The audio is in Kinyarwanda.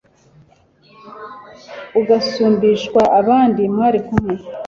ugasumbishwa abandi mwari kumwe